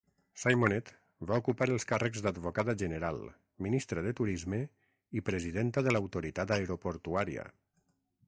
Symonette va ocupar els càrrecs d'advocada general, ministra de Turisme i presidenta de l'autoritat aeroportuària.